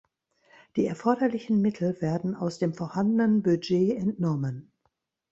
Die erforderlichen Mittel werden aus dem vorhandenen Budget entnommen.